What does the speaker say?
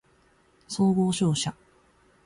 総合商社